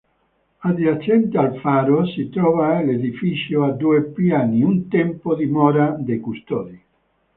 Adiacente al faro si trova l'edificio a due piani, un tempo dimora dei custodi.